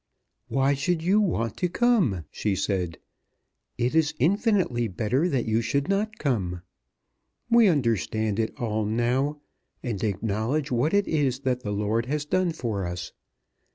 "Why should you want to come?" she said. "It is infinitely better that you should not come. We understand it all now, and acknowledge what it is that the Lord has done for us.